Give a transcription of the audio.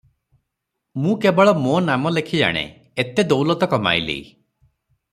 ମୁଁ କେବଳ ମୋ ନାମ ଲେଖି ଜାଣେ, ଏତେ ଦୌଲତ କମାଇଲି ।